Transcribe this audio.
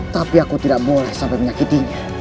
tapi aku tidak boleh sampai menyakitinya